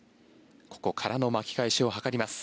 ここからの巻き返しを図ります。